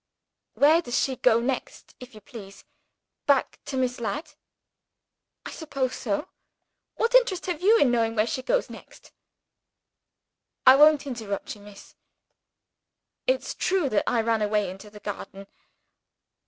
"Where does she go next, if you please? Back to Miss Ladd?" "I suppose so. What interest have you in knowing where she goes next?" "I won't interrupt you, miss. It's true that I ran away into the garden.